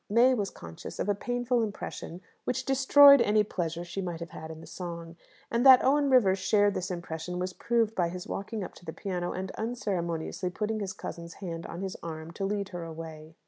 May was conscious of a painful impression, which destroyed any pleasure she might have had in the song. And that Owen Rivers shared this impression was proved by his walking up to the piano, and unceremoniously putting his cousin's hand on his arm to lead her away.